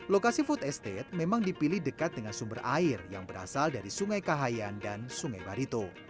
lokasi food estate memang dipilih dekat dengan sumber air yang berasal dari sungai kahayan dan sungai barito